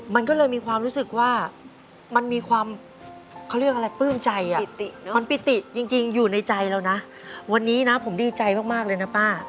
ปิตินะครับจริงอยู่ในใจเรานะวันนี้นะผมดีใจมากเลยนะป้า